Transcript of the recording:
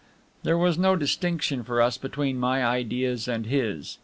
There was no distinction for us between my ideas and his.